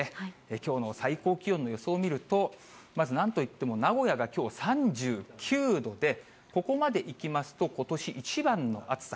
きょうの最高気温の予想を見ると、まずなんといっても名古屋がきょう３９度で、ここまでいきますと、ことし一番の暑さ。